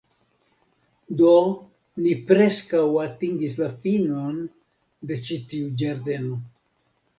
Do, ni preskaŭ atingis la finon de ĉi tiu ĝardeno